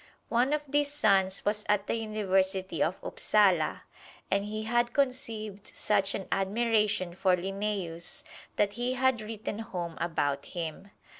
One of these sons was at the University of Upsala, and he had conceived such an admiration for Linnæus that he had written home about him.